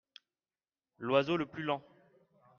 L’oiseau le plus lent.